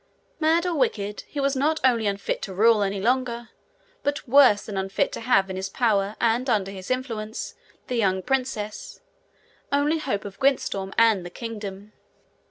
Mad or wicked, he was not only unfit to rule any longer, but worse than unfit to have in his power and under his influence the young princess, only hope of Gwyntystorm and the kingdom.